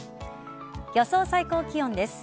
予想最高気温です。